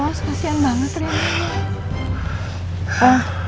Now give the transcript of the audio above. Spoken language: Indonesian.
ros kasihan banget rena